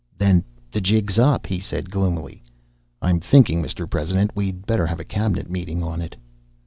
"Then the jig's up," he said gloomily. "I'm thinkin', Mr. President, we'd better have a cabinet meeting on it."